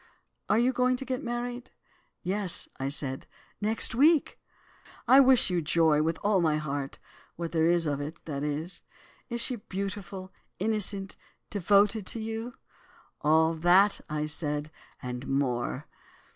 Are you going to get married?' "'Yes,' said I, 'next week.' "'I wish you joy, with all my heart, what there is of it, that is. Is she beautiful, innocent, devoted to you?' "'All that,' said I, 'and more.